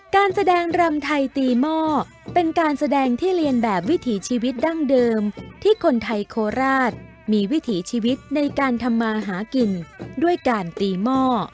การแสดงรำไทยตีหม้อเป็นการแสดงที่เรียนแบบวิถีชีวิตดั้งเดิมที่คนไทยโคราชมีวิถีชีวิตในการทำมาหากินด้วยการตีหม้อ